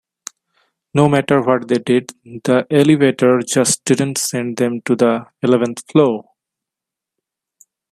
No matter what they did, the elevator just didn't send them to the eleventh floor.